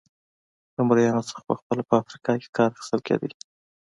له مریانو څخه په خپله په افریقا کې کار اخیستل کېده.